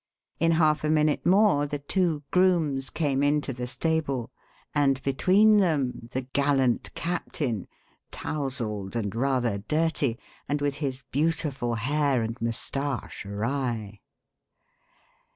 In half a minute more the two grooms came into the stable, and between them the gallant captain, tousled and rather dirty, and with his beautiful hair and moustache awry.